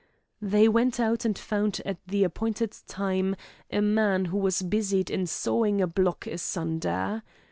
They went out and found at the appointed time a man who was busied in sawing a block asunder.